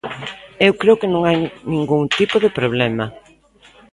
Eu creo que non hai ningún tipo de problema.